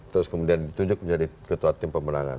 terus kemudian ditunjuk menjadi ketua tim pemenangan